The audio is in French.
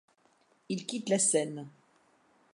Il quitte la scène.